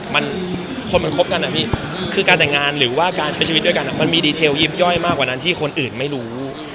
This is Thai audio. มันคนมันคบกันอ่ะพี่คือการแต่งงานหรือว่าการใช้ชีวิตด้วยกันมันมีดีเทลยิ้มย่อยมากกว่านั้นที่คนอื่นไม่รู้